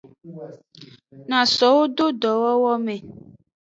Na so do dowowo me.